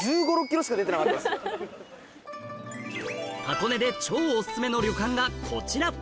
箱根で超オススメの旅館がこちら